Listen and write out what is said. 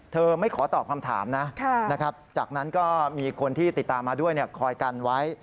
ไม่ขอตอบคำถามนะจากนั้นก็มีคนที่ติดตามมาด้วยคอยกันไว้